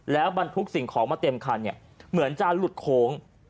แล้วบันทุกข์สิ่งของมาเต็มคันเหมือนจะหลุดโค้ง